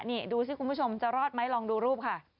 นี่ดูสิคุณผู้ชมจะรอดไหมลองดูรูปค่ะ